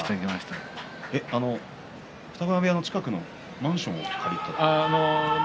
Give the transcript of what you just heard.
二子山部屋の近くのマンションを借りて？